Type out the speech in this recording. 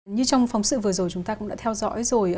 như trong phóng sự vừa rồi chúng ta cũng đã theo dõi rồi